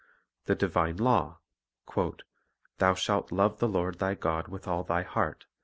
The divine law, "Thou shalt love the Lord thy God with all thy heart